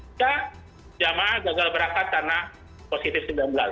jika jemaah gagal berangkat tanah positif sembilan belas